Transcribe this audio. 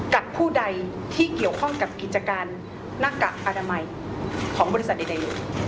กับผู้ใดที่เกี่ยวข้องกับกิจการหน้ากากอนามัยของบริษัทใด